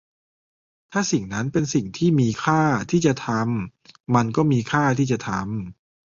ถ้าสิ่งนั้นเป็นสิ่งที่มีค่าที่จะทำ มันก็มีค่าที่จะทำ